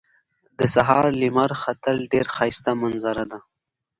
د سهار لمر ختل ډېر ښایسته منظره ده